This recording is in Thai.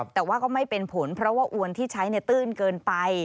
แต่ว่าก็ไม่เป็นผลเพราะว่าอวนที่ใช้ตื้นเกินไป